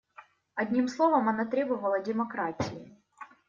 Одним словом, она требовала демократии.